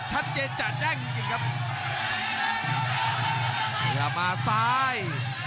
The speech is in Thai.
ชัดเจนจัดแจ้งพยายามมาซ้าย